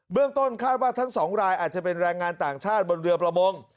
เรื่องต้นคาดว่าทั้งสองรายอาจจะเป็นแรงงานต่างชาติบนเรือประมง